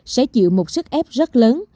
sẽ chịu một sức ép rất lớn